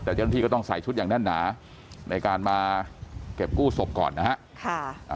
แต่ทันทีก็ต้องใส่ชุดอย่างแน่นหนาในการมาเก็บกู้ศพก่อนนะครับ